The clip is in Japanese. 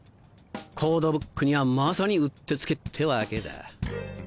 コードブックにはまさにうってつけってわけだ。